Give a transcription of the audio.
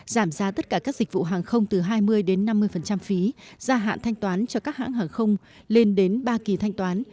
giảm giá tất cả các dịch vụ hàng không từ hai mươi năm mươi phí gia hạn thanh toán cho các hãng hàng không lên đến ba kỳ thanh toán